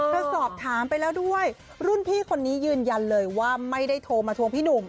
สอบถามไปแล้วด้วยรุ่นพี่คนนี้ยืนยันเลยว่าไม่ได้โทรมาทวงพี่หนุ่ม